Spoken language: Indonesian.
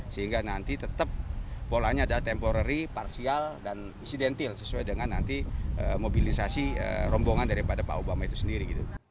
sehingga nanti tetap polanya ada temporary parsial dan insidentil sesuai dengan nanti mobilisasi rombongan daripada pak obama itu sendiri